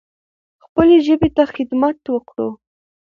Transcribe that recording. خپلې ژبې ته خدمت وکړو.